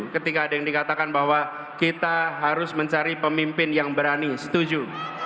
ketika ada yang dikatakan bahwa kita harus mencari pemimpin yang berani setuju